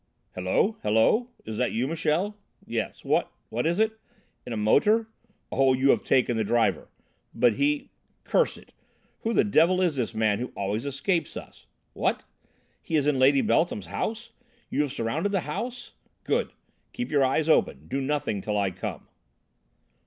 "Hello! hello! Is that you, Michel? Yes. What is it? In a motor? Oh, you have taken the driver. But he curse it! Who the devil is this man who always escapes us? What? He is in Lady Beltham's house! You have surrounded the house? Good, keep your eyes open! Do nothing till I come."